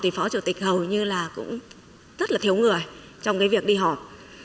thì phó chủ tịch hầu như là cũng rất là thiếu người trong cái việc đi họp